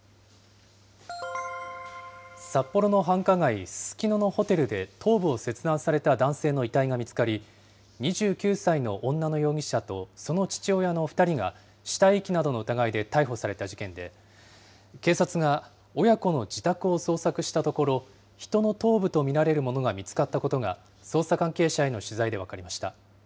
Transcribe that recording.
札幌の繁華街、ススキノのホテルで、頭部を切断された男性の遺体が見つかり、２９歳の女の容疑者とその父親の２人が、死体遺棄などの疑いで逮捕された事件で、警察が親子の自宅を捜索したところ、人の頭部と見られるものが見つかったことが、捜査関係者への取材で分かりました。